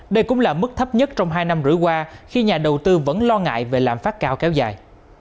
đây cũng là mức thấp nhất trong hai năm rưỡi qua khi nhà đầu tư vẫn lo ngại về lạm phát cao kéo dài